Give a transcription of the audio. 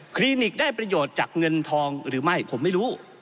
ลินิกได้ประโยชน์จากเงินทองหรือไม่ผมไม่รู้